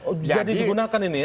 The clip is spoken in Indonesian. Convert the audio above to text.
bisa digunakan ini ya